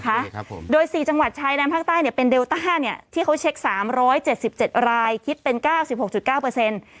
ครับผมโดยสี่จังหวัดชายแดนภาคใต้เนี้ยเป็นเดลต้าเนี้ยที่เขาเช็คสามร้อยเจ็ดสิบเจ็ดรายคิดเป็นเก้าสิบหกจุดเก้าเปอร์เซ็นต์